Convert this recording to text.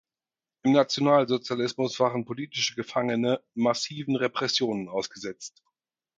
Im Nationalsozialismus waren politische Gefangene massiven Repressionen ausgesetzt.